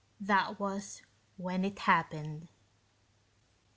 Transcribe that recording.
That was when it happened.